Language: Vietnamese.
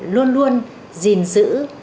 luôn luôn gìn giữ